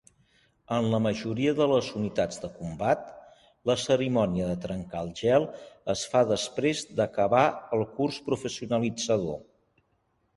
En la majoria de les unitats de combat, la cerimònia de "trencar el gel" es fa després d'acabar el curs professionalitzador.